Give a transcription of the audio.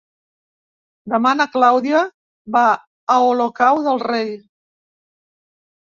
Demà na Clàudia va a Olocau del Rei.